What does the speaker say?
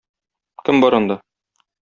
Кем бар анда?